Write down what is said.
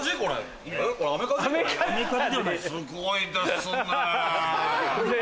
すごいですね。